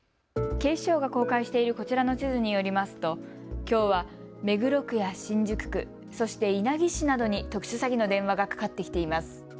警視庁が公開しているこちらの地図によりますときょうは目黒区や新宿区、そして稲城市などに特殊詐欺の電話がかかってきています。